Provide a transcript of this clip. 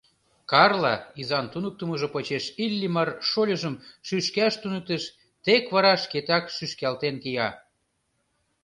Карла изан туныктымыжо почеш Иллимар шольыжым шӱшкаш туныктыш тек вара шкетак шӱшкалтен кия.